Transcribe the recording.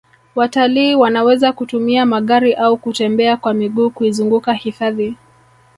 watalii wanaweza kutumia magari au kutembea kwa miguu kuizunguka hifadhi